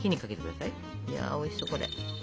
いやおいしそうこれ。